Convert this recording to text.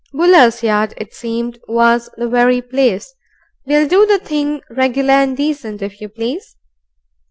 Buller's yard, it seemed, was the very place. "We'll do the thing regular and decent, if you please."